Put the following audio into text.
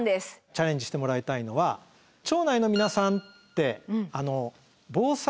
チャレンジしてもらいたいのは「町内の皆さん」って。